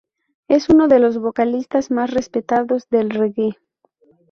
Es uno de los vocalistas más respetados del reggae.